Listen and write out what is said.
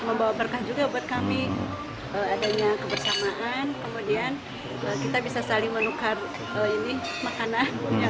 membawa berkah juga buat kami adanya kebersamaan kemudian kita bisa saling menukar makanan